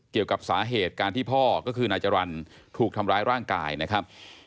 เกี่ยวกับสาเหตุการที่พ่อก็คือนายจรรย์ถูกทำร้ายร่างกายนะครับ